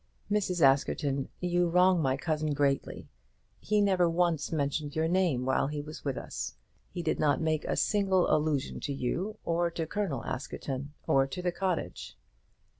"Mrs. Askerton, you wrong my cousin greatly. He never once mentioned your name while he was with us. He did not make a single allusion to you, or to Colonel Askerton, or to the cottage."